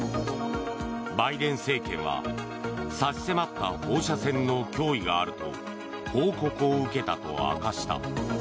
バイデン政権は差し迫った放射線の脅威があると報告を受けたと明かした。